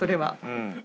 うん。